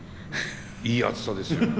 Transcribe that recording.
いい熱さですよ。